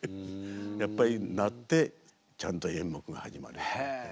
やっぱり鳴ってちゃんと演目が始まると。